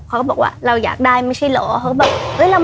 เค้าก็บอกว่าเราอยากได้ไม่ใช่เหรอ